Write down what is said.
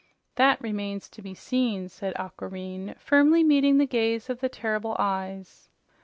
"That remains to be seen," said Aquareine, firmly meeting the gaze of the terrible eyes.